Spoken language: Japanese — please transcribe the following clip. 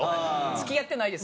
付き合ってないです。